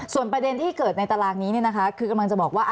ส่วนประเด็นที่เกิดในตารางนี้คือกำลังจะบอกว่า